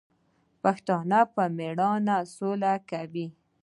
پښتون په میړانه سوله کوي.